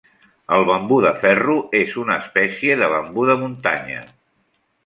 El bambú de ferro és una espècie de bambú de muntanya.